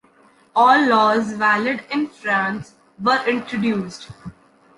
All laws valid in France were introduced.